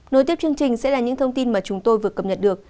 nối tiếp chương trình sẽ là những thông tin mà chúng tôi vừa cập nhật được